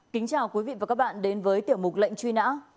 kính chào quý vị và các bạn đến với tiểu mục lệnh truy nã